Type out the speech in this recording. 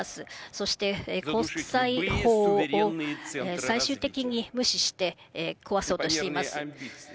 そして国際法を最終的に無視して、壊そうとしています。